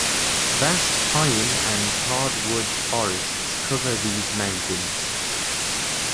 Vast pine and hardwood forests cover these mountains.